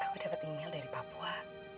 aku dapat email dari papua